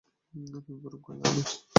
তুমি বরং কয়লা আনো।